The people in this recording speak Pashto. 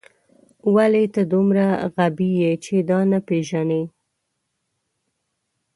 ولې ته دومره غبي یې چې دا نه پېژنې